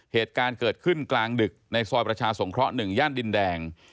เหตุการณ์เกิดขึ้นกลางดึกในซอยประชาสงเคราะห์๑ย่านดินแดง